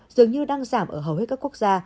dường như đang giảm ở hầu hết các quốc gia